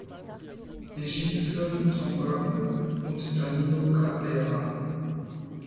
Regie führten Tom Burton und Danilo Cabreira.